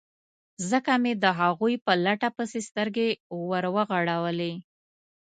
ځکه مې د هغوی په لټه پسې سترګې ور وغړولې.